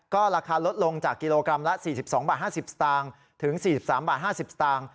ก็ราคาลดลงจากกิโลกรัมละ๔๒บาท๕๐สตางค์ถึง๔๓บาท๕๐สตางค์